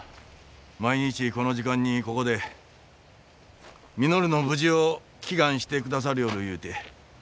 毎日この時間にここで稔の無事を祈願してくださりょうるいうて。